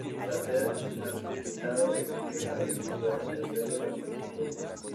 Tras ser martirizado, el religioso permaneció a la intemperie durante cinco días.